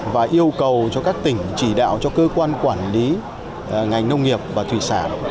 và yêu cầu cho các tỉnh chỉ đạo cho cơ quan quản lý ngành nông nghiệp và thủy sản